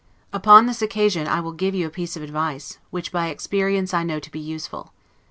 Upon this occasion I will give you a piece of advice, which by experience I know to be useful.